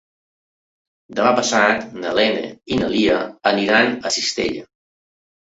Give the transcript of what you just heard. Demà passat na Lena i na Lia iran a Cistella.